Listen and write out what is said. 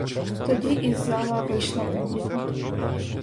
Тоді із зала вийшла публіка.